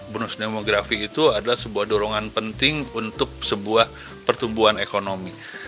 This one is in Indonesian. bonus demografi itu adalah sebuah dorongan penting untuk sebuah pertumbuhan ekonomi